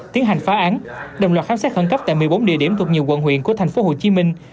tiến hành phá án đồng loạt khám xét khẩn cấp tại một mươi bốn địa điểm thuộc nhiều quận huyện của thành phố hồ chí minh